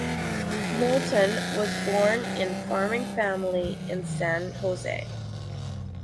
Moulton was born in farming family in San Jose.